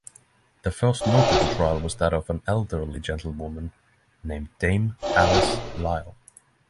The first notable trial was that of an elderly gentlewoman named Dame Alice Lyle.